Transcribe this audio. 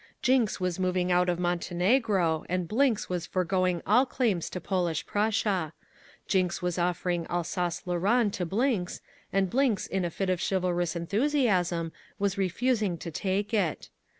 Jinks was moving out of Montenegro and Blinks was foregoing all claims to Polish Prussia; Jinks was offering Alsace Lorraine to Blinks, and Blinks in a fit of chivalrous enthusiasm was refusing to take it.